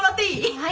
はい。